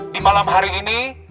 di malam hari ini